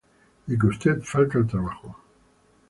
y que usted falte al trabajo